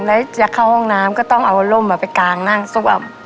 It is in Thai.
แล้วจะเข้าห้องน้ำก็ต้องเอาร่มไปกางนั่งซ่วม